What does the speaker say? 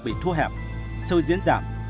bị thua hẹp sâu diễn giảm